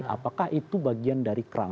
apakah itu bagian dari kerang